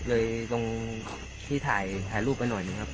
เลยตรงที่ถ่ายถ่ายรูปไปหน่อยเนี่ยครับ